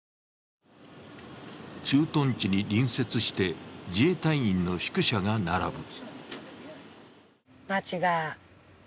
駐屯地に隣接して自衛隊員の宿舎が並ぶ。